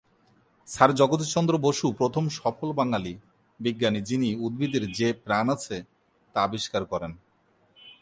Sir Jagadish Chandra Bose প্রথম সফল বাঙালি বিজ্ঞানী যিনি উদ্ভিদের যে প্রাণ আছে তা আবিষ্কার করেন।